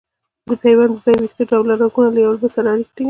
د پیوند د ځای ویښته ډوله رګونه یو له بل سره اړیکه ټینګوي.